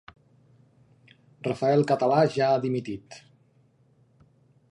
Rafael Català ja ha dimitit